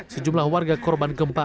sejumlah warga korban gempa